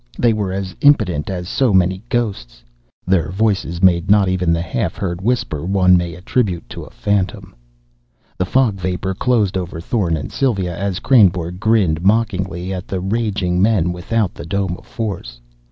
They were as impotent as so many ghosts. Their voices made not even the half heard whisper one may attribute to a phantom. The fog vapor closed over Thorn and Sylva as Kreynborg grinned mockingly at the raging men without the dome of force.